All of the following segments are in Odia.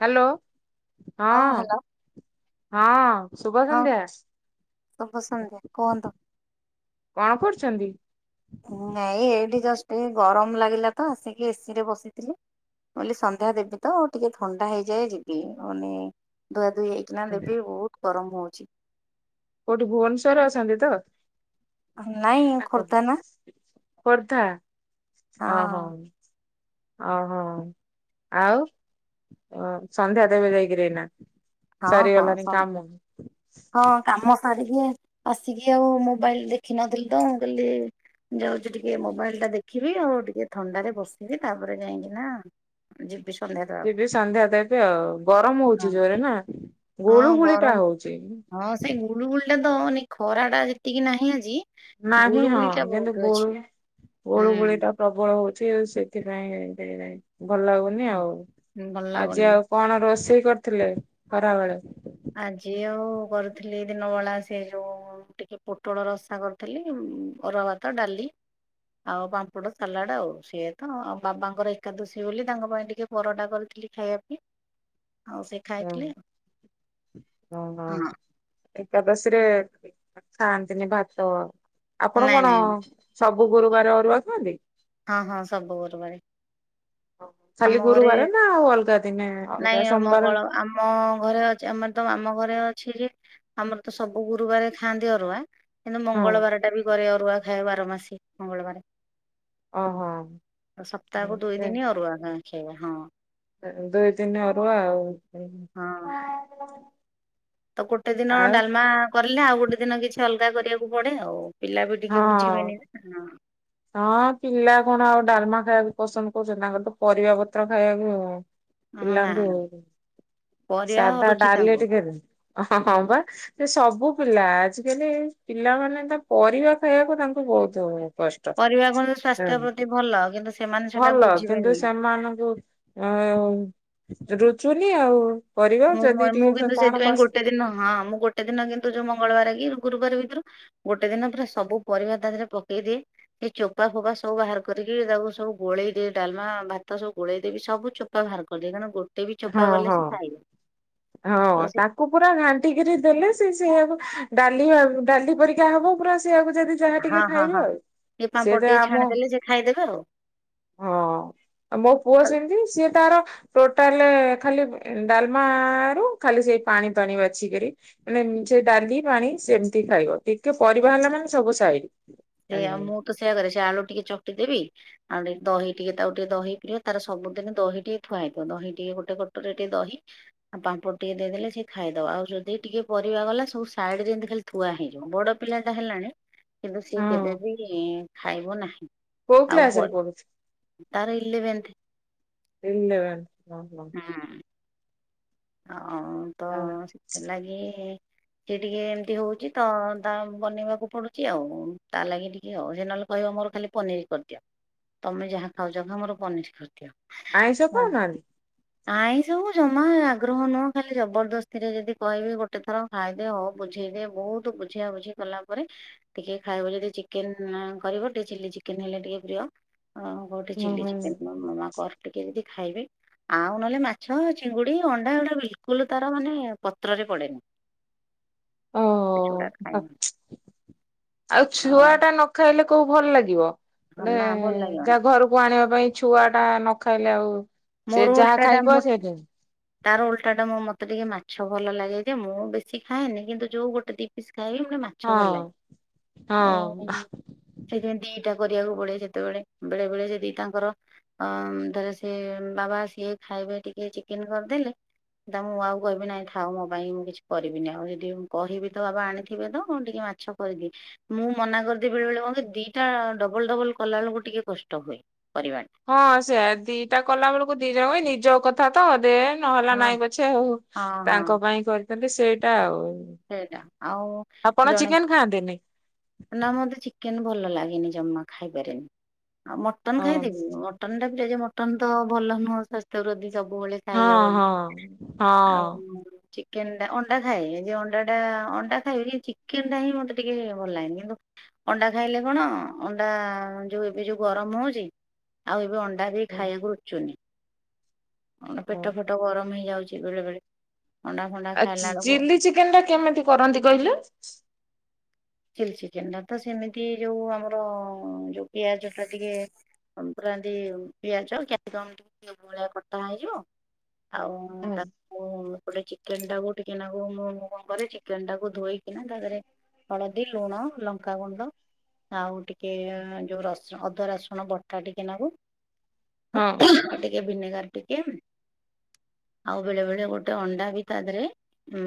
ହ୍ୟାଲୋ ହଁ। ହଁ ଶୁଭ ହଁ ସଂନ୍ଧ୍ୟା। ଶୁଭ ସନ୍ଧ୍ୟା କୁହନ୍ତୁ। କଣ କରୁଛନ୍ତି? ନାଇଁ ଏଇଠି ଜଷ୍ଟ ଗରମ ଲାଗିଲା ତ ଆସିକି ଏସି ରେ ବସିଥିଲି। ବୋଲି ସନ୍ଧ୍ୟା ଦେବି ତ ଟିକେ ଥଣ୍ଡା ହେଇଯାଏ ଯିବି ମାନେ ଦୁ ଦୁଇ ହେଇକିନା ଦେବି ବହୁତ ଗରମ ହଉଛି। କୋଉଠି ଭୁବନେଶ୍ଵରରେ ଅଛନ୍ତି ତ? ନାଇଁ ନା କୋ- ଖୋର୍ଦ୍ଧା ନା ଖୋର୍ଦ୍ଧା ଅ ହୋ। ହଁ। ଓହୋ ଆଉ ସନ୍ଧ୍ୟା ଦେବେ ଯାଇକିରିନା। ହଁ ହଁ ସମ ହଁ କାମ ସାରିକି ଆସିକି ଆଉ ମୋବାଇଲ ଦେଖିନଥିଲି ତ କାଲି। ଯାଉଛି ଟିକେ ମୋବାଇଲ ଟା ଦେଖିବି ଆଉ ଟିକେ ଥଣ୍ଡା ରେ ବସିବି ତାପରେ ଯାଇକି ନା ଜି ଯିବି ସନ୍ଧ୍ୟା ଦେବି ଆଉ ଗରମ ହଁ ହଉଛିି ଜୋରେ ନା ହଁ ଗୁଳୁ ଗୁଳି ଟା ଗରମ ହଉଛି। ବହୁତ ହଁ ସେଇ ଗୁଲୁ ଗୁଳି ଦଉନି ଖରା ଟା ଯେତିକି ନାହିଁ ଆଜି ନାହିଁ ଗୁଳୁଗୁଳି ହଁ ଟା [inaudible] ବହୁତ ଅଛି। ଗୋଳି ହୁଁ ଗୋଳୁଗୋଳି ଟା ପ୍ରବଳ ହଉଛି। ସିଏ ସେଥିପାଇଁ ଭଲଲାଗୁନି ହଁ, ଆଉ। ଭଲ ଆଜି ଲାଗୁନି। ଆଉ କଣ ରୋଷେଇ କରିଥିଲେ ଖରା ବେଳେ? ଆଜି ଆଉ କରୁଥିଲି ଦିନବେଳା ସେ ଯୋଉ ଟିକେ ପୋଟଳ ରସା କରିଥିଲି ଅରୁଆ ଭାତ ଡାଲି ଆଉ ପାମ୍ପଡ ସାଲାଡ ଆଉ ସିଏ ତ। ଆଉ ବାବାଙ୍କର ଏକାଦଶୀ ବୋଲି ତାଙ୍କ ପାଇଁ ଟିକେ ପରଟା କରିଥି ଲି ଖାଇବା ପାଇ । [inaudible] ଆଉ ସେ ଖାଇଥିଲେ ଓହୋ ହଁ ଏକାଦସୀ ରେ ଖାଆନ୍ତିନି ଭାତ ଆପଣ ନାଇଁ କଣ ନାଇଁ ସବୁ ଗୁରୁବାରେ ଅରୁଆ ଖାନ୍ତି? ହଁ ହଁ ସବୁ ଗୁରୁ ବାରେ। ଖାଲି ଆମ ଘରେ ଗୁରୁବାର ନା ଆଉ ଅଲଗା ଦିନେ ଅଲଗା ନାଇଁ ସୋମବାର ମଙ୍ଗଳ ଆମ ଘରେ ଅଛି ଆମର ତ ଆମ ଘରେ ଅଛି ଯେ ଆମର ତ ସବୁ ଗୁରୁବାରେ ଖାଆନ୍ତି ଅରୁଆ କିନ୍ତୁ ହଁ ମଙ୍ଗଳବାର ଟା ବି କରେ ଅରୁଆ ଖାଏ ବାର ମାସୀ ମଙ୍ଗଳବାରେ ଓହୋ। ସପ୍ତାହକୁ ଦୁଇ ଦିନ ଅରୁଆ ଖା ଖାଇବା ହଁ । ଦୁଇ ତିନି ଅରୁଆ ଆଉ ହଁ [unintelligible] ତ ଗୋଟେ ଦିନ ଆଉ ଡାଲମା କରିଲେ ଆଉ ଗୋଟେ ଦିନ କିଛି ଅଲଗା କରିବାକୁ ପଡେ ଆଉ। ପିଲା ବି ଟିକେ ହଁ। ବୁଝିବେନି ନା ହଁ ପିଲା କଣ ଆଉ ଡାଲମା ଖାଇବାକୁ ପସନ୍ଦ କରୁଛନ୍ତି ତାଙ୍କର ତ ପରିବା ପତ୍ର ଖାଇବାକୁ ଆଉ। ହଁ ନା ପିଲାଙ୍କୁ ନା ପରିବା ସାଧା ରୁଚି ଡାଲି ତାଙ୍କୁ ଟୀକେ ଦେ ହଁ ହଁ ବା ସେ ସବୁ ପିଲା ଆଜିକାଲି ପିଲାମାନୋନ ତା ପରିବା ଖାଇବାକୁ ତାଙ୍କୁ ବହୁତ [inaudible] ପରିବା କଣ ସ୍ୱାସ୍ଥ୍ୟ ପ୍ରତି ଭଲ କିନ୍ତୁ ସେମାନେ ସେଟା ଭଲ କିନ୍ତୁ ବୁଝିବେନି ସେମାନଙ୍କୁ ଅଁ ଆଉରୁଚୁନି ଆଉ ପରିବା ମୁଁ ଯଦି ମାନୁ ଟିକେ କିଂନ୍ତୁ କଣ ସେଥିପାଇଁ କସ ଗୋଟେ ଦିନ ହଁ ମୁଁ ଗୋଟେ ଦିନ କିନ୍ତୁ ଯୋଉ ମଙ୍ଗଳବାର କି ଗୁରୁବାର ଭିତରୁ ଗୋଟେ ଦିନ ପୁରା ସବୁ ପରିବା ତା ଦେହରେ ପକେଇ ଦିଏ ସେ ଚୋପା ଫୋପା ସବୁ ବାହାର କ- ିକି ତାକୁ ସବୁ ଗୋଳେଇଦି ଡାଲମ ଭାତ ସବୁ ଗୋଳେଇ ଦେବି ସବୁ ଚୋପା ବାହାର କରିଦିଏ। ଗୋଟେ ବି ହଁ ଚୋପା ଗଲେ ହଁ। ସେ ଖାଏନି। ହଁ ତାକୁ ପୁରା ଘାଣ୍ଟିକିରି ଦେଲେ ସେ ସେ ସେୟାକୁ ଡାଲି ଆଉ ଡାଲି ପରିକା ହବ ପୁରା ସେଇଆକୁ ଯଦି ଯାହା ଟିକେ ହଁ ହଁ ଖାଇବା ହଁ ଆଉ। ଟିକେ ପାମ୍ପଡ଼ ସେତ ଟିକେ ଆମ ଛାଣିଦେଲେ ସେ ଖାଇଦେବେ ଆଉ। ହଁ ମୋ ପୁଅ ଆଉ ସେମିତି ସିଏ ତାର ଟୋଟାଲ ଖାଲି ଡାଲମା ଖାଲି ସେଇ ପାଣି ପାଣି ବାଛିକିରି ମାନେ ସେ ଡାଲି ପାଣି ସେମିତି ଖାଇବ ଟିକେ ପରି ରିବା ହେଲା ମାନେ ସବୁ ସାଇ ସେଉ ମୁଁ ତ ସେୟା କରେ ସେ ଆଳୁ ଟିକେ ଚକଟି ଦେବି । ଆଉ ଟିକେ ଦହି ଟିକେ ତାକୁ ଟିକେ ଦହି ଟିକେ ତାର ସବୁ ଦିନ ଦହି ଟିକେ ଥୁଆହେଇଥିବ। ଦହି ଟିକେ ଗୋଟେ ଦହି ଆଉ ପାମ୍ପଡ଼ ଟିକେ ଦେଇଦେଲେ ସିଏ ଖାଇଦବ। ଆଉ ଯଦି ଟିକେ ପରିବା ଗଲା ସବୁ ସାଇଡରେ ଯେମିତି ଖାଲି ଥୁଆ ବଡ ପିଲା ଟା ହେଲାଣି କିନ୍ତୁ ହଁ କେବେବି ଖାଇବ ନାହିଁ। କୋଉ ଆଉ କ୍ଲାସ ରେ ପରେ ପଢୁଛି? ତାର ଇଲେଭନ୍ତା [unintelligible] ହଁ ତ ସେଥିଲାଗି ସେ ଟିକେ ଏମିତି ହଉଛି ତ ତା ବନେଇବାକୁ ପଡୁଛି ଆଉ ତା ଲାଗି ଟିକେ ଆଉ ସେ ନହେଲେ କହିବ ମୋର ଖାଲି ପନିର କରିଦିଅ ତମେ ଯାହା ଖାଉଛ ଖା ମୋର ପନିର କରିଦିଅ । ଆଇଁସ ଖାଉନାହାନ୍ତି । ଆଇଁସ ମୁଁ ଜମା ଆଗ୍ରହ ନୁହଁ ଖାଲି ଜବରଦସ୍ତି ରେ ଯଦି କହିବି ଗୋଟେଥର ଖାଇଦେ, ହଉ ବୁଝେଇଦେ ବହୁତୁ ବୁଝା ବୁଝି କଲା ପରେ ଟିକେ ଖାଇବ ଯଦି ଚିକେନ କରିବ ଟିକେ ଚିଲି ଚିକେନ ହେଲେ ଟିକେ ପ୍ରିୟ ହଁ ଗୋଟେ ହୁଁ ଚିଲି ହୁଁ ଚିକେନ ମୋ ମାମା କର ଟିକେ କେମିତି ଖାଇବେ ଆଉ ନହେଲେ ମାଛ, ଚିଙ୍ଗୁଡି ଅଣ୍ଡା ଗୁଡା ବିଲକୁଲ ତାର ମାନେ ପତ୍ରରେ ପଡେନି। ଓ ସେଗୁଡା ଖାଇନି ଆଉ ଛୁଆ ଆଉ ଟା ନ ଖାଇଲେ କଉ ଭଲ ଲାଗିବ ହଁ ଗୋଟେ ନା ଭଲ ଲାଗିବନି ଯାଘରକୁ ଆଣିବା ପାଇଁ ଛୁଆଟା ନ ଖାଇଲେ ଆଉ ସେ ମୋର ଯାହା ଉଲଟା ଟା ଖାଇବ ମୁଁ ସେ ତାର ଉଲଟା ଟା ମୁଁ ମା ମତେ ଟିକେ ମାଛ ଭଲ ଲାଗେ ଯେ, ମୁଁତ ବେଶୀ ଖାଏନି, କିନ୍ତୁ ଯୋଉ ଗୋଟେ ଦିି ପିସ ଖାଇବି ମୁତେ ହଁ ମାଛ ଭଲ ଲାଗେ ଓ ହଁ ସେଥିପାଇଁ ଦିଟା କରିବାକୁ ପଡେ ଯେତେବେଳେ ବେଳେ ବେଳେ ସେ ଦୁଇଟାଙ୍କର ଅଂ ଧର ସେ ବାବା ସିଏ ଖାଇବେ ଟିକେ ଚିକେନ କରିଦେଲେ। ନା ମୁଁ ଆଉ କହିବି ନାଇଁ ଥାଉ ମୋ ପାଇଁ ମୁଁ କିଛି କରିବିନି ଆଉ ଯଦି କହିବେତ ବାବା ଆଣିଥିବେ ତ ଟିକେ ମାଛ କରିଚି ମୁଁ ମନା କରିଦିଏ ବେଳେ ବେଳେ ଦିଟା ଡବଲ ଡବଲ କଲାବେଳକୁ ଟିକେ କଷ୍ଟ ହୁଏ। କରିବାଟା। ହଁ ସେୟା ଦିଟା କଲାବେଳକୁ ଧୀରେ ହୁଏ ନିଜ କଥା ତ ଦେ ନ ହେଲା ହଁ। ନାଇଁ ପଛେ ହଉ ହଁ ହଁ ତାଙ୍କପାଇଁ କରିଥାନ୍ତି ସେଇଟା ଆଉ ସେଇଟା ଆଉ ଆପଣ ଜଣେ ଚିକେନ ଖାଆନ୍ତିନି? ନା ମତେ ଚି ଚିକେନ ଭଲ ଲାଗେନି ଜମା ଖାଇପାରେନି ଆଉ ମଟନ୍ ହଁ ଖାଇଦେବି ମଟନ ଟା ଏଯେ ମଟନ୍ ତ ଭଲ ନୁହଁ ସ୍ୱାସ୍ଥ୍ୟ ପ୍ରତି ସବୁବେଳେ ହଁ ଖାଇହବନି ହଁ ଆଉ ଚିକେନ ଅଣ୍ଡା ଖାଏ ଯେ ଅଣ୍ଡା ଅଣ୍ଡାଟା ଅଣ୍ଡା ଖାଇବି ହେଲେ ଚିକେନ ଟା ହିଁ ମତେ ଟିକେ ଭଲ ଲାଗେନି, କିନ୍ତୁ ଅଣ୍ଡା ଖାଇଲେ କଣ ଅଣ୍ଡା ଯୋଉ ଏବେ ଯୋଉ ଗରମ ହଉଛି, ଆଉ ଏବେ ଅଣ୍ଡା ବି ହଁ। ଖାଇବାକୁ ରୁଚୁନି। ମୋର ପେଟ ଫେଟ ଗରମ ହେଇଯାଉଛି ବେଳେ ବେଳେ ଅଣ୍ଡା ଫଣ୍ଡା ଆଛା ଖାଇଲା ବେଳକୁ ଚି଼ଲ୍ଲୀ ଚିକେନ ଟା କେମିତି କରନ୍ତି କହିଲେ? ଚି଼ଲ୍ଲୀଚିକେନ ଟା ତ ସେମିତି ଯୋଉ ଆମର ଯୋଉ ପିଆଜ ଟା ଟିକେ ପୁରାନ୍ତି ପିଆଜ କିଆପସିୟମ ଭଳିଆ କଟା ହେଇଯିବ। ଆଉ ମୁଁ ହଁ ତାକୁ ଏପଟେ ଚିକେନ ଟାକୁ ଟିକେନାକୁ ମୁଁ, ମୁଁକଣକରେ ଚିକେନ ଟାକୁ ଧୋଇ ହଁ ତାଦେହରେ ହଳଦୀ ଲୁଣ ଲଙ୍କାଗୁଣ୍ଡ ଆଉ ଟିକେ ଯୋଉ ରସ ଅଦାରସୁଣ ବଟା ଟିକେ ନେବୁ ହଁ। ଏ ଭିନେଗାର ଟିକେ ଆଉ ବେଳେବେଳେ ଗୋଟେ ଅଣ୍ଡାବି ତା ଧୀରେ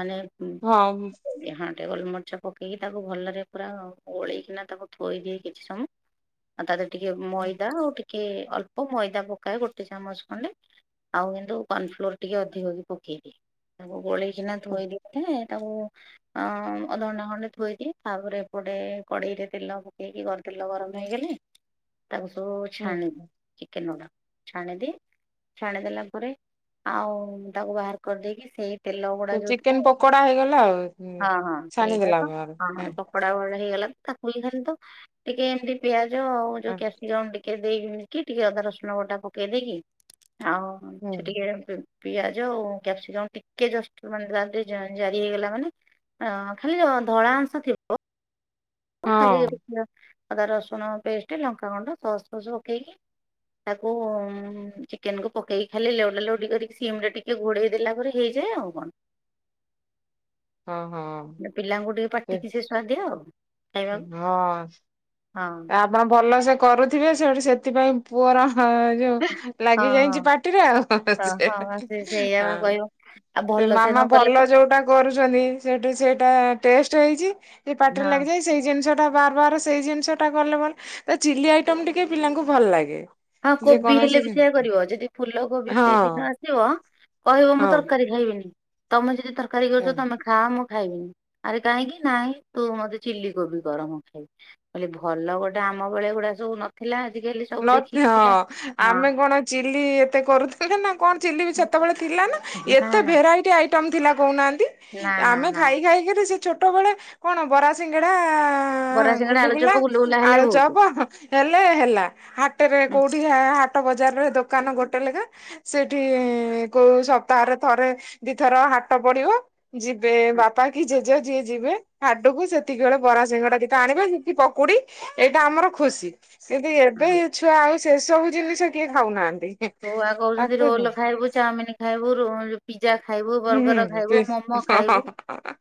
ମାନେ ହଁ ଉଁ। ଟେବଲ ମାଛକୋ ପକେଇକି ତାକୁ ଭଲରେ ପୁରା ଗୋଳେଇକିନା ତାକୁ ଥୋଇଦିଏ, କିଛି ସମୟ ଆଉ ତା ଦେହରେ ଟିକେ ମଇଦା ଆଉ ଟିକେ ଅଳ୍ପ ମଇଦା ପକାଏ ଗୋଟିଏ ଚାମଚ ଖଣ୍ଡେ ଆଉ କିନ୍ତୁ କନ୍ଫ୍ଲୋର ଟିକେ ଅଧିକ ବି ପକେଇଦିଏ ତାକୁ ଗୋଳେଇକି ସିନା ଥୋଇ ଦେଇଥିଲେ ତାକୁ ଉଁ ଅଧଘଣ୍ଟା ଖଣ୍ଡେ ଥୋଇକି ତାପରେ ଏପଟେ କଡେଇରେ ତେଲ ପକେଇକି ତେଲ ଗରମ ହେଇଗଲେ। ତାକୁ ସବୁ ଛାଣିଲେ ଚିକେନ ଗୁଡାକୁ ଛାଣିଦିଏ ଛାଣିଦେଲା ପରେ ଆଉ ତାକୁ ବାହାର କରିଦେଇକି ସେଇ ତେଲ ଗୁଡା ସେ ଯୋଉ ଚିକେନ ଥାଏ ପକୋଡା ହେଇଗଲା ଆଉ ହଁ ହଁ ଏଇଟା ଛାଣିଦେଲା ତ ପରେ। ପକୋଡା ଗୁଡା ହେଇଗଲା ତାକୁହିଁ ଖାଲି ତ ଟିକେ ଏମିତି ପିଆଜ ଆଉ ଯୋଉ ହଁ କ୍ୟାପସିକମ ଟିକେ ଏ ଦେଇକିି ଟିକେ ଅଦାରସୁଣ ବଟା ପକେଇ ଦେଇକି ଆଉ ହଁ ସେ ଟିକେ ପିଆଜ ଆଉ କ୍ୟାପସିକମ ଟିକେ ଜଷ୍ଟ ମାନେ ତାଦେ ଜାରି ହେଇଗଲା ମାନେ ଅଁ ଖାଲି ଧଳା ଅଂଶ ଥିବ। ଓ ଖାଲି ହଁ ଅଦା ରସୁଣ ପେଷ୍ଟ ଲଙ୍କାଗୁଣ୍ଡ ସସ୍ ଫସ୍ ପକେଇକି ତାକୁ ଚିକେନ କୁ ପକେଇକି ଖାଲି ଲଉଟା ଲଉଟି କରିକି ସିମ ରେ ଟିକେ ଘୋଡେଇ ଦେଲା ପରେ ହେଇଯ ଯିବ, ଆଉ କଣ। ଏ ଏ ହଁ, ହଁ। ସେ ପାଟିକି ସିଏ ସୁଆଦିଆ ଆଉ। ଖାଇବାକୁ ହଁ ହଁ। ଆପଣ ଏ ଭଲସେ କରୁଥୁବେ। ସେଇଠୁ ସେଥିପାଇଁ ପୁଅର ହଁ ଯୋଉ ହଁ ଲାଗି ଯାଇଚି ପାଟିରେ, ଆଉ ହଁ ସେ ହଁ ହଁ, ସେ ସେଇଆ ବା ହଁ କହିବ ଆଉ ସେ ଭଲ ମାମା ନ କଲେ ତ ଭଲ ଯୋଉଟା କରୁଛନ୍ତି ସେଠୁ ସେଇଟା ଟେଷ୍ଟ ହେଇଚି କି ପାଟିରେ ହଁ। ଲାଗିଯାଏ ସେଇ ଜିନିଷ ଟା ବାର ବାର ସେଇ ଜିନିଷ ଟା କଲେ ଭଲ। ତ ଚିଲ୍ଲି ଆଇଟମ ଟିକେ ପିଲାଙ୍କୁ ଭଲ ଲାଗେ। ହଁ କୋବି ହେଲେ ଯେକୌଣସି ବି ସେଇଆ କରିବ। ଯଦି ଫୁଲ ହଁ କୋବି ଦିନ ଆସିବ କହିବ ମୁଁ ତରକାରୀ ଖାଇବିନି। ତୋମେ ଯଦି ତରକାରୀ ହଁ କରୁଛ ତୋମେ ଖାଅ। ମୁଁ ଖାଇବିନି। ଆରେ କାହିଁକି? ନାଇଁ ତୁ ମୋତେ ଚିଲ୍ଲି କୋବି କର ମୁଁ ଖାଇବି। କଲେ ଭଲ ଗୋଟେ ଆ ଆମ ବଳେ ଏଗୁଡା ସବୁ ନଥିଲା। ଆଜିକାଲି ନ ସବୁ ଦେଖିକି ପିଲା ହଁ ହଁ ଆମେ କଣ ଚିଲ୍ଲି ଏତେ କରୁଥିଲେ ନା କଣ। ଚିଲ୍ଲି ବି ସେତେବେଳେ ଥିଲା ନା। ଏତେ ବି ଭେରାଇଟି ଆଇଟମ୍ ଥିଲା କହୁନାହାନ୍ତି, ନା ନା ଆମେ ନା ଖାଇ ଖାଇକିରି ସେ ଛୋଟବେଳେ କଣ ବରା ସିଙ୍ଗଡ଼ା ବରା ଆଁ, ସିଙ୍ଗଡା ଗୁଲୁଗୁଲା ଆଳୁଚପ ଗୁଲୁଗୁଲା ହେଲେ ବହୁତ। ଆଳୁଚପ ହେଲେ ହେଲା। ହାଟରେ ହୁଁ, କୋଉଠି ଖା ହଟ ବଜାରରେ ଦୋକାନ ଗୋଟେ ଲେଖା। ସେଠି କୋଉ ସପ୍ତାହରେ ଥରେ ଦି ଥର ତ ହାଟ ପଡିବ ଯିବେ ହୁଁ, ବାପା କି ଜେଜେ ଯିଏ ଯିବେ ହାଟକୁ। ସେତିକି ବେଳେ ବରା ସିଙ୍ଗଡା ଦିଟା ଆଣିବେ ସେ କି ପକୁଡି ଏଇଟା ଆମର ଖୁସି। କିନ୍ତୁ ଏ ବେ ହୁଁ। ଛୁଆ ଆଉ ସେସବୁ ଜିନିଷ କିଏ ଖାଉନାହାନ୍ ଛୁଆ କହୁଚନ୍ତି ରୋଲ୍ ଖାଇବୁ, ଚାଉମିନ୍ ଖାଇବୁ, ରୁ ଏ ପି ହୁଁ, ହୁଁ, ଟିସ ହଁ, ହଁ, ଖାଇବୁ ହଁ, ହଁ,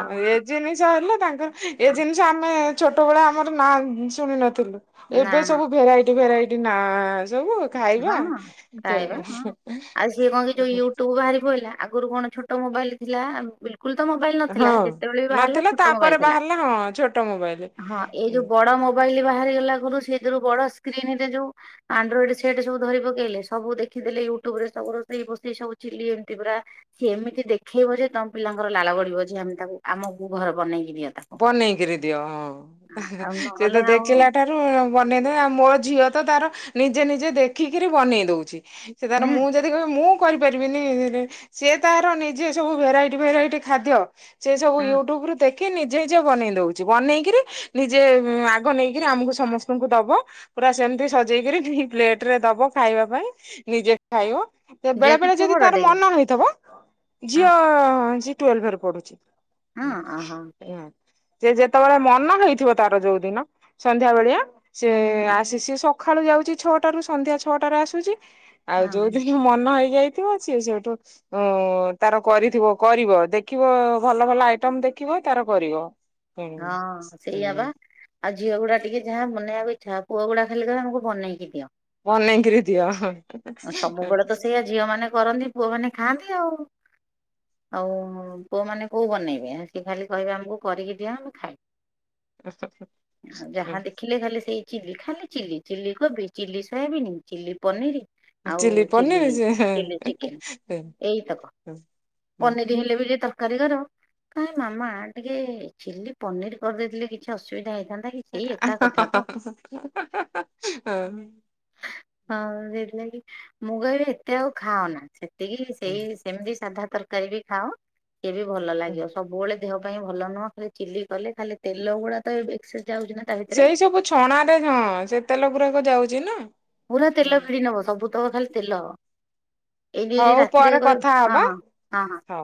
ଆଉ ଏ ଜିନିଷ ହେଲେ ତାଙ୍କର ଏ ଜିନିଷ ଆମେ ଛୋଟବେଳେ ଆମର ନାଁ ଶୁଣି ନଥିଲୁ। ନା ଏବେ ନା ସବୁ ଭେରାଇଟି ଭେରାଇଟି ନାଁ। ହଁ ଖାଇବା ହଁ ଆଉ ସିଏ କଣ କି ଯୋଉ ୟୁଟ୍ୟୁବ ବାହାରି ପଇଲା। ଆଗରୁ କଣ ଛୋଟ ମୋବାଇଲ୍ ଥିଲା। ବିଲ୍ କୁଲ ତ ମୋବାଇଲ୍ ନଥିଲା। ହଁ ଯେତେବେଳେ ବି ବାହାରିଲା ନଥିଲା ଛୋଟ ମୋବାଇଲ୍ ତାପରେ ଥିଲା। ବାହାରିଲା ହଁ ଛୋଟ ମୋବାଇଲ ହଁ ଏଇ ଯୋଉ ବଡ ମୋବାଇଲ୍ ବାହାରିଗଲା ଘରୁ ସେଇଥିରୁ ବଡ ସ୍କ୍ରିନ୍ ରେ ଯୋଉ ଆଣ୍ଡ୍ରଏଡ୍ ସେଟ୍ ସବୁ ଧରି ପକେଇଲେ ସବୁ ଦେଖିଦେଲେ ୟୁଟ୍ୟୁବ ରେ ସବୁ ରୋଷେଇ ପୁସେଇ ସବୁ ଚିଲ୍ଲି ଏମିତି ପୁରା। ସିଏ ଏମିତି ସେ ଦେଖେଇବ ଯେ ତୋମ ପିଲାଙ୍କର ଲାଳ ଗଡିବ ଯେ ଆମେ ତାକୁ ଆମକୁୁ ଘର ବନେଇ ବନେଇକିରି ଦିଅ। ହଁ ଆଉ ସେ ତ ନହେଲେ ଆଉ ଦେଖିଲା ଠାରୁ ବନେଇଦେ। ଆଉ ମୋ ଝିଅ ତ ତାର ନିଜେ ନିଜେ ଦେଖିକିରି ବନେଇ ଦଉଛି। ସେ ତାର ହୁଁ ମୁଁ ଯଦି କହିବି ମୁଁ କରିପାରିବିନି। ସିଏ ତାର ନିଜେ ସବୁ ଭେରାଇଟି ଭେରାଇଟି ଖାଦ୍ୟ ସେ ସବୁ ୟୁଟ୍ୟୁବ ରୁ ଦେଖି ନି ଜେ ନିଜେ ଦଉଚୁ। ବନେଇକିରି ନିଜେ ଉଁ, ଆଗ ନେଇକିରି ଆମକୁ ସମସ୍ତଙ୍କୁ ଦବ। ପୁରା ସେ ଏମତି ସଜେଇକିରି ପ୍ଲେଟ୍ ରେ ଦବ ଖାଇବା ପାଇଁ। ନିଜେ ଖାଇବ। ତ ଝିଅ ବେଳେ ବେଳେ କେତେ ଯଦି ତାର ବଡଟେ କି ମନ ହେଇଥିବ, ହଁ ଝିଅ ସିଏ ଟୁଏଲ୍ଭ ରେ ପଢୁଛି। ହଁ, ଓ ହୋ। ହଁ, ସେ ଯେତେବେଳେ ମନ ହେଇଥିବ ତାର ଯୋଉ ଦିନ ସନ୍ଧ୍ୟା ବେଳିଆ ସେ ଆସି ସିଏ ସଖାଳୁ ଯାଉଚି ଛଅଟ ରୁ ସନ୍ଧ୍ୟା ଛଅଟାରେ ଆସୁଚି। ଆଉ ଓହୋ ଯୋଉଦିନ ମନ ହେଇ ଯାଇଥିବ ସିଏ ସେଇଠୁ ତାର କରିଥିବ କରିବ ଦେଖିବ ଭଲ ଭଲ ଆଇଟମ ଦେଖିବ। ତାର କରିବ। ହୁଁ ହଁ ସେଇଆ ବା। ଆଉ ଝିଅ ଗୁଡା ଟିକେ ଯାହା ବନାଇବାକୁ ଇଚ୍ଛା। ପୁଅ ଗୁଡା ଖାଲି କହିବେ ଆମକୁ ବନେଇକି ଦିଅ। ବନେଇକିରି ଦିଅ। ଅ, ସବୁବେଳେ ତ ସେଇଆ ଝିଅ ମାନେ କରନ୍ତି। ପୁଅ ମାନେ ଖାଆନ୍ତି ଆଉ। ଆଉ ପୁଅ ମାନେ କୋଉ ବନେଇବେ। ସିଏ ଖାଲି କହିବେ ଆମକୁ କରିକି ଦିଅ, ଆମେ ଖାଇବୁ। ଆଉ ଯାହା ଦେଖିଲେ ଖାଲି ସେଇ ଚିଲ୍ଲି ଖାଲି ଚିଲ୍ଲି ଚିଲ୍ଲି କୋବି ଚିଲ୍ଲି ସୋୟାବିିନି ଚିଲ୍ଲି ପନିରି। ଆଉ ଚିଲି ଚିଲ୍ଲି ପନିର ସେ ଚିଲ୍ଲିଚିକେନ୍ ଏଇତକ। ପନିରି ହେଲେ ବୋଲି ତ କାରି କରିବ କାଇଁ ମାମା ଟିକେ ଚିଲ୍ଲି ପନିର୍ କରିଦେଇଥିଲେ କିଛି ଅସୁବିଧା ହେଇଥା [unintelligible] ହଁ। ହଁ ସେଇଥି ଲାଗି। ମୁଁ କହିବି ଏତେ ଆଉ ଖାଅନା ସେତିକି ସେଇ ସେମତି ସାଧା ତରକାରୀ ବି ଖାଅ। ଇଏ ବି ଭଲ ହଁ। ଲାଗିବ ସବୁବେଳେ ଦେହ ପାଇଁ ଭଲ ନୁହଁ ଖାଲି ଚିଲ୍ଲି କଲେ ଖାଲି ତେଲ ଗୁଡା ତ ଏବେ ଏକସେ ସେଇ ସବୁ ଛଣାରେ ହଁ ସେ ତେଲ ଗୁରାକ ଯାଉଚି ନାଁ। ପୁରା ତେଲ ଭିଡି ନବ ସବୁ ତକ ଖାଲି ତେଲ। ଏଇଖିରି ହଉ ରାତିରେ ପରେ କହି କଥା ହଁ ହବା ହଁ ହଁ ହଁ। ହଉ।